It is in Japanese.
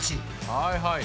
はいはい。